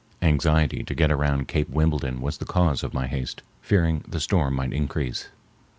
Anxiety to get around Cape Wimbledon was the cause of my haste, fearing the storm might increase.